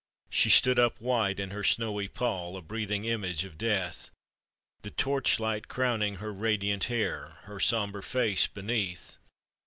She stood up white in her snowy pall, • A breathing image of death, The torch light crowning her radiant hair, Her sombre face beneath.